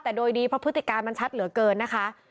แต่โดยดีเพราะพฤติการมันชัดเหลือเกินนะคะ